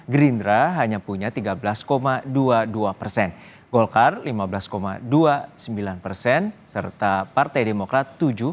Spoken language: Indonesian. gerindra hanya punya tiga belas dua puluh dua persen golkar lima belas dua puluh sembilan persen serta partai demokrat tujuh